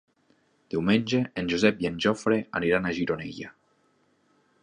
Diumenge en Josep i en Jofre aniran a Gironella.